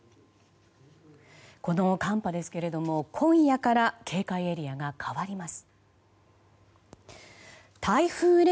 この寒波ですけれども今夜から警戒エリアが変わります。